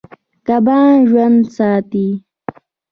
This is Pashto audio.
کبان ژوند ساتي.